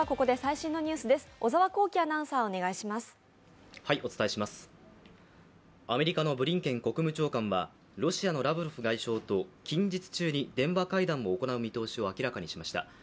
アメリカのブリンケン国務長官は、ロシアのラブロフ外相と近日中に電話会談を行う見通しを明らかにしました。